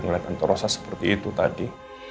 ngeliat tante rosa seperti itu tadi